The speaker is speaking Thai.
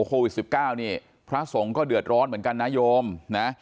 โควิด๑๙นี่พระสงฆ์ก็เดือดร้อนเหมือนกันนะโยมนะ